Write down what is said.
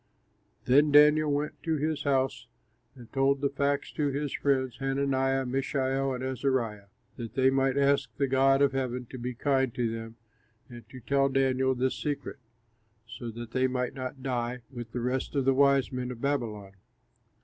Then Daniel went to his house and told the facts to his friends, Hananiah, Mishael, and Azariah, that they might ask the God of heaven to be kind to them and to tell Daniel this secret, so that they might not die with the rest of the wise men of Babylon.